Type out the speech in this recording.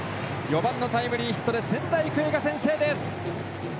４番のタイムリーヒットで仙台育英が先制です。